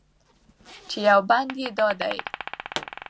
چې یو بند یې دا دی: